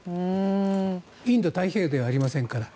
インド太平洋ではありませんから。